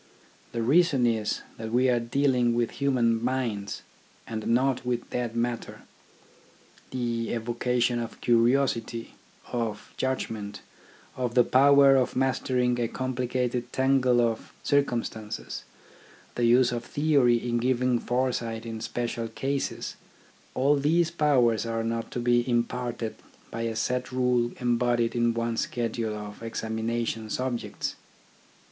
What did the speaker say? The reason is that we are dealing with human minds, and not with dead matter. The evocation of curiosity, of judgment, of the power of mastering a complicated tangle of circumstances, the use of theory in giving fore sight in special cases — all these powers are not to be imparted by a set rule embodied in one schedule of examination subjects.